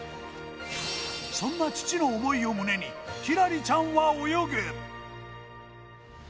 そんな父の思いを胸に、輝星ちゃんは泳ぐ。